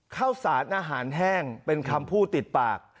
ข้าวสารอาหารแห้งเป็นคำพูดติดปาก